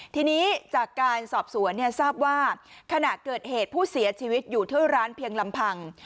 ทีนี้จากการสอบสวนทราบว่าขณะเกิดเหตุผู้เสียชีวิตอยู่ที่ร้านเพียงลำพัง